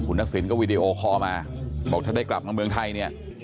ทักษิณก็วีดีโอคอลมาบอกถ้าได้กลับมาเมืองไทยเนี่ย